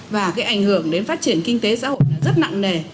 và cái ảnh hưởng đến phát triển kinh tế xã hội rất nặng nề